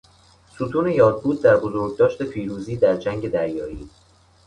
ستون یادبود در بزرگداشت پیروزی در جنگ دریایی